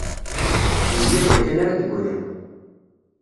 D zzyada kan ara d-griɣ